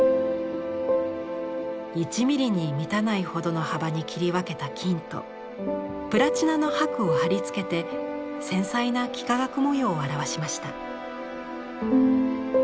１ミリに満たないほどの幅に切り分けた金とプラチナの箔を貼り付けて繊細な幾何学模様を表しました。